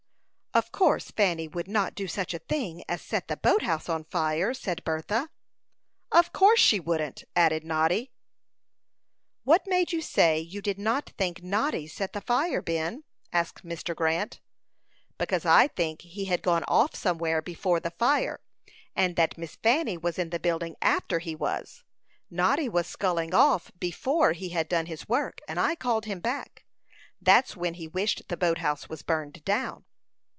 "Of course Fanny would not do such a thing as set the boat house on fire," said Bertha. "Of course she wouldn't," added Noddy. "What made you say you did not think Noddy set the fire, Ben?" asked Mr. Grant. "Because I think he had gone off somewhere before the fire, and that Miss Fanny was in the building after he was. Noddy was sculling off before he had done his work, and I called him back. That's when he wished the boat house was burned down."